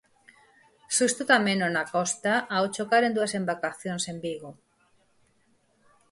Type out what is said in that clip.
Susto tamén no na costa ao chocaren dúas embarcacións en Vigo.